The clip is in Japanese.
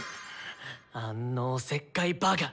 あんのおせっかいバカ！